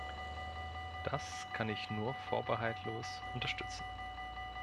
Das kann ich nur vorbehaltlos unterstützen.